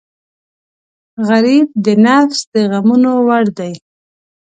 غریب د نفس د غمونو وړ دی